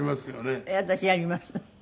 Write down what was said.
私やります。